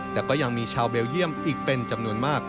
แต่ก็ยังมีชาวเบลเยี่ยมอีกเป็นจำนวนมาก